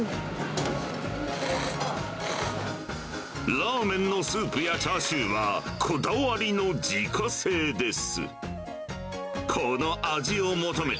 ラーメンのスープやチャーシューは、こだわりの自家製です。